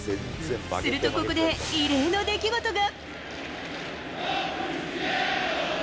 するとここで異例の出来事が。